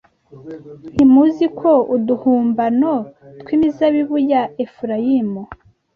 ntimuzi ko uduhumbano tw'imizabibu ya efurayimu